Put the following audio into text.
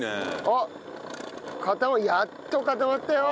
あっやっと固まったよ。